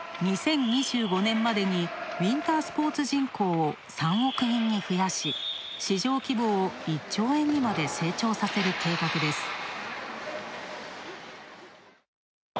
２０２５年までにウインタースポーツ人口を３億人に増やし、市場規模を１兆円にまで成長させる計画です。